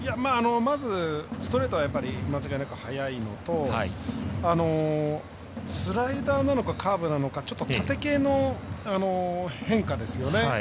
まずストレートは間違いなく速いのとスライダーなのかカーブなのか、ちょっと縦系の変化ですよね。